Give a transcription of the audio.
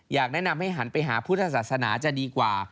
อยากแนะนำให้หันไปหาพุทธศาสนาจะดีกว่า